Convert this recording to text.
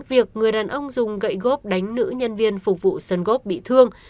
việc người đàn ông dùng gậy góp đánh nữ nhân viên phục vụ sân góp bị thương